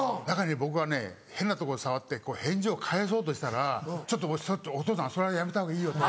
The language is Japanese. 僕はね変なとこ触って返事を返そうとしたら「ちょっとお父さんそれはやめたほうがいいよ」って。